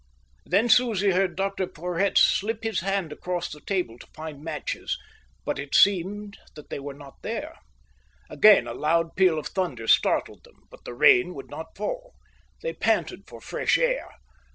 Then Susie heard Dr Porhoët slip his hand across the table to find matches, but it seemed that they were not there. Again a loud peal of thunder startled them, but the rain would not fall. They panted for fresh air.